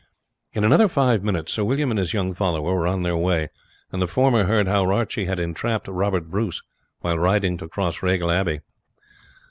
In another five minutes Sir William and his young follower were on their way, and the former heard how Archie had entrapped Robert Bruce while riding to Crossraguel Abbey.